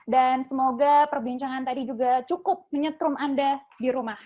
dan semoga perbincangan tadi juga cukup menyetrum anda di rumah